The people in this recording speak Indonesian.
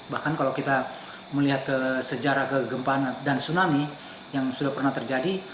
bahkan kalau kita melihat sejarah ke gempa dan tsunami yang sudah pernah terjadi